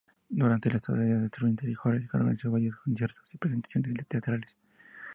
Durante su estadía en el Trinity College, organizó varios conciertos y presentaciones teatrales.